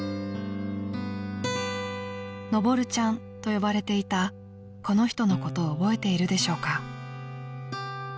［のぼるちゃんと呼ばれていたこの人のことを覚えているでしょうか？］